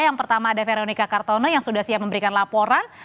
yang pertama ada veronica kartono yang sudah siap memberikan laporan